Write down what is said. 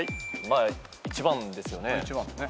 １番ですよね。